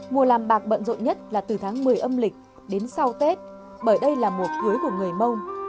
mùa làm bạc bận rộn nhất là từ tháng một mươi âm lịch đến sau tết bởi đây là mùa cưới của người mông